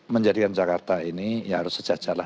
menjadikan jakarta ini ya harus sejajarlah